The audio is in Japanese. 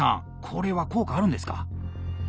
これは効果あるんですか？